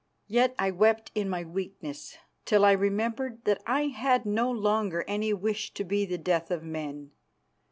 Yes, I wept in my weakness, till I remembered that I had no longer any wish to be the death of men.